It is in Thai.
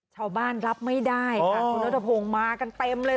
ชาวบ้านรับไม่ได้ค่ะคุณนัทพงศ์มากันเต็มเลย